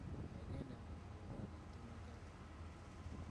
Yagenda mu Ndeeba aleete makanika.